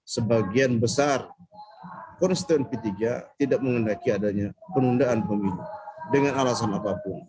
sebagian besar konstituen p tiga tidak mengendaki adanya penundaan pemilu dengan alasan apapun